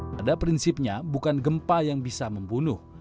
pada prinsipnya bukan gempa yang bisa membunuh